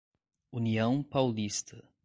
União Paulista